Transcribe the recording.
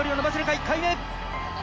１回目！